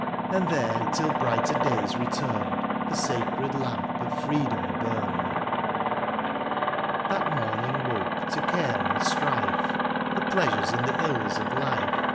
And there, till brighter days returned. The sacred lamp of freedom burned. That morning woke to care and strife. The pleasures, and the ills of life.